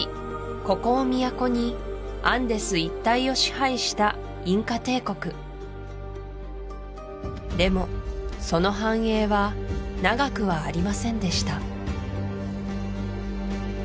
ここを都にアンデス一帯を支配したインカ帝国でもその繁栄は長くはありませんでした